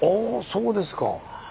そうですか。